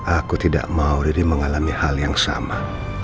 aku tidak mau riri mengalami hal yang sama